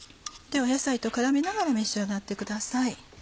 野菜と絡めながら召し上がってください。